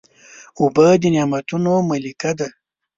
اوبه د نعمتونو ملکه ده.